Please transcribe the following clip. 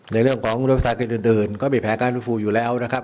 ในเรื่องของรัฐภาษากฤษอื่นก็มีแผนการฟื้นฟูอยู่แล้วนะครับ